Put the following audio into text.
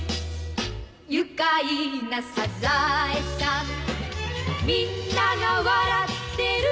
「愉快なサザエさん」「みんなが笑ってる」